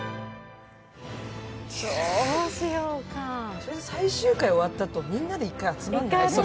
どうしようか最終回終わったあと、みんなで１回集まらない？